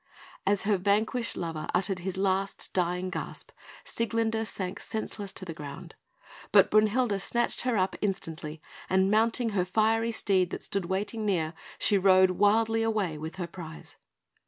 As her vanquished lover uttered his last dying gasp, Sieglinde sank senseless to the ground; but Brünhilde snatched her up instantly, and mounting her fiery steed that stood waiting near, she rode wildly away with her prize.